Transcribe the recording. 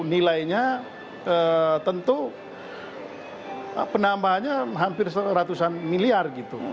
nilainya tentu penambahannya hampir ratusan miliar gitu